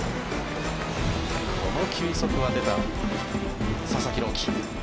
この球速が出た佐々木朗希。